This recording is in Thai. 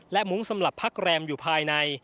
และมุ้งสำหรับพักแรมอยู่ภายใน